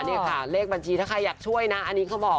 นี่ค่ะเลขบัญชีถ้าใครอยากช่วยนะอันนี้เขาบอก